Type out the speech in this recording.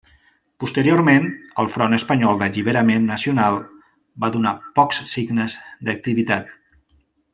Posteriorment el Front Espanyol d'Alliberament Nacional va donar pocs signes d'activitat.